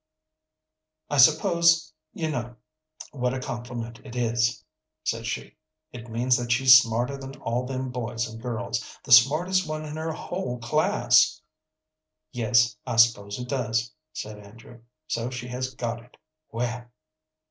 "I s'pose you know what a compliment it is?" said she. "It means that she's smarter than all them boys and girls the smartest one in her whole class." "Yes, I s'pose it does," said Andrew. "So she has got it! Well!"